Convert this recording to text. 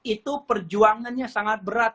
itu perjuangannya sangat berat